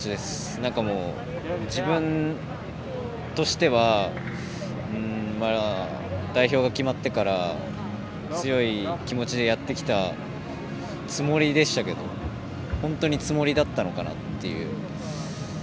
なんか、もう、自分としては代表が決まってから強い気持ちでやってきたつもりでしたけど本当につもりだったのかなっていう。